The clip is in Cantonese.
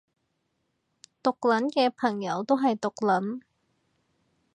毒撚嘅朋友都係毒撚